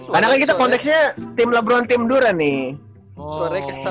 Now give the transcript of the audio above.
karena kan kita konteksnya tim lebron tim duran nih